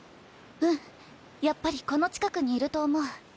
うんやっぱりこの近くにいると思う。